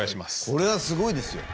これはすごいですよ。